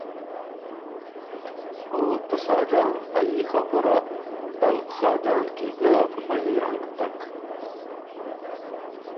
او ته ساجان ا يي خبُره دل خاجان کی ګۀ په په يي رنګ تک۔